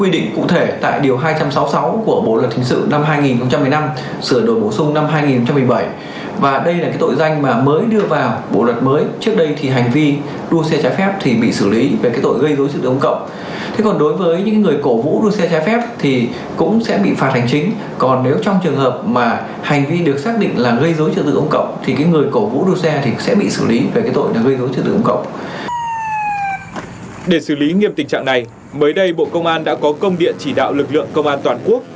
để xử lý nghiêm tình trạng này mới đây bộ công an đã có công địa chỉ đạo lực lượng công an toàn quốc